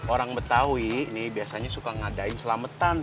orang betawi ini biasanya suka ngadain selametan